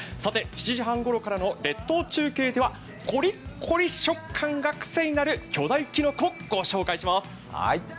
７時半ごろからの列島中継ではコリッコリ食感がクセになる巨大きのこ、御紹介します。